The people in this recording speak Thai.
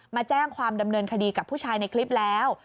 มาแจ้งความดำเนินคดีกับผู้ชายในคลิปแล้ว